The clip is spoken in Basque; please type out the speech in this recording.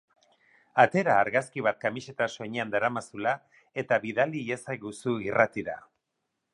Atera argazki bat kamiseta soinean daramazula, eta bidaili iezaiguzu irratira.